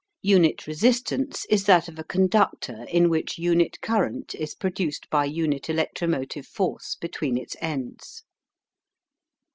UNIT RESISTANCE is that of a conductor in which unit current is produced by unit electro motive force between its ends.